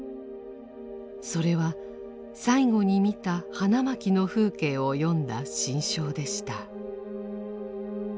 それは最後に見た花巻の風景を詠んだ心象でした。